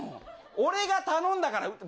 俺が頼んだから。